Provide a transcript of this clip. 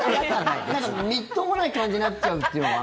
みっともない感じになっちゃうっていうのかな。